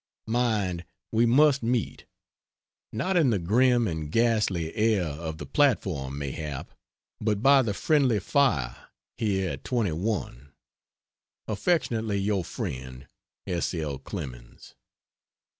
Mind, we must meet! not in the grim and ghastly air of the platform, mayhap, but by the friendly fire here at 21. Affectionately your friend, S. L. CLEMENS.